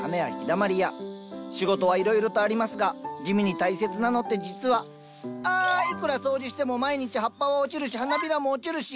仕事はいろいろとありますが地味に大切なのって実はあいくら掃除しても毎日葉っぱは落ちるし花びらも落ちるし。